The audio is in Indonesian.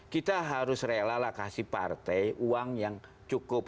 kita harus rela lah kasih partai uang yang cukup